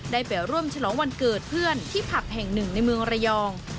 ได้ไปร่วมฉลองวันเกิดเพื่อนที่ผับแห่งหนึ่งในเมืองระยอง